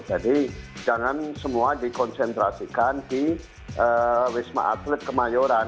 jadi jangan semua dikonsentrasikan di wisma atlet kemayoran